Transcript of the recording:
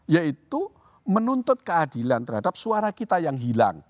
yaitu menuntut keadilan terhadap suara kita yang hilang